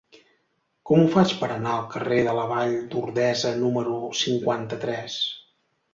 Com ho faig per anar al carrer de la Vall d'Ordesa número cinquanta-tres?